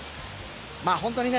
本当にね